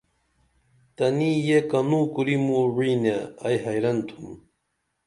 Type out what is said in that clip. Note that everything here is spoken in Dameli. تنی یہ کنوں کُری موں وعِی نے ائی حیرن تُھم